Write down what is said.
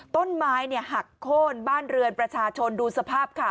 ต้นไม้หักโค้นบ้านเรือนประชาชนดูสภาพค่ะ